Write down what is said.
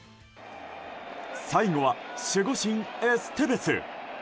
最後は守護神エステベス。